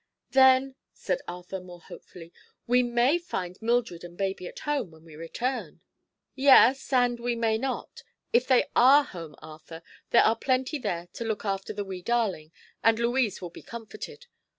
"Then," said Arthur, more hopefully, "we may find Mildred and baby at home, when we return." "Yes; and we may not. If they are home, Arthur, there are plenty there to look after the wee darling, and Louise will be comforted.